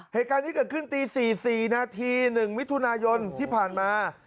เหตุการณ์นี้เกิดขึ้นตี๔๔นาที๑มิถุนายนที่ผ่านมา